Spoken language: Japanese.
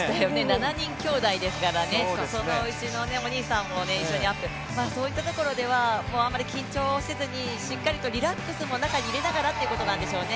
７人兄弟ですからね、そのうちのお兄さんも一緒にアップ、そういったところでは、あんまり緊張せずにしっかりとリラックスも中に入れながらということなんでしょうね。